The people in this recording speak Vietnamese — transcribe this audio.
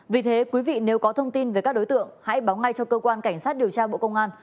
vì thế quý vị nếu có thông tin về các đối tượng hãy báo ngay cho cơ quan cảnh sát điều tra bộ công an